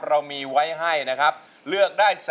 ต่อพี่มาเลย